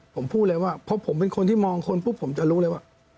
ผมพูดเลยว่าเพราะผมเป็นคนที่มองคนปุ๊บผมจะรู้เลยว่า